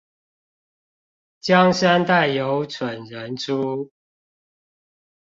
江山代有蠢人出